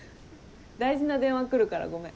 大事な電話来るからごめん。